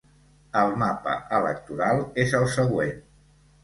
El mapa electoral és el següent.